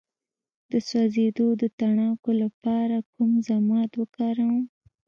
د سوځیدو د تڼاکو لپاره کوم ضماد وکاروم؟